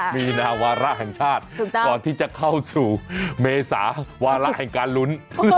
มีนาวาระแห่งชาติก่อนที่จะเข้าสู่เมษาวาระแห่งการลุ้น